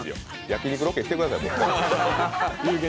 焼き肉ロケしてください。